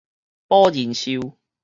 保人壽